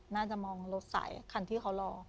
น่าจะมองรถสายคันที่เขารอ